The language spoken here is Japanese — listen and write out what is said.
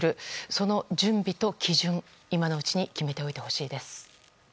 その準備と基準を今のうちに決めておいてほしいです。